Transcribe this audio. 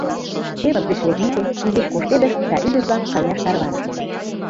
Кевыт гыч лекмеке, изиш коштедышт да ӱдыр-влак каяш тарванышт.